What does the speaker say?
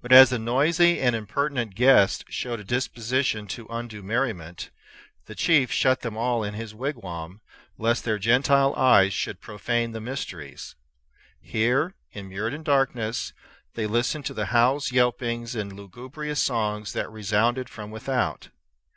But as the noisy and impertinent guests showed a disposition to undue merriment, the chief shut them all in his wigwam, lest their Gentile eyes should profane the mysteries. Here, immured in darkness, they listened to the howls, yelpings, and lugubrious songs that resounded from without.